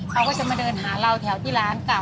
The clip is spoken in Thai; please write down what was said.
เขาก็จะมาเดินหาเราแถวที่ร้านเก่า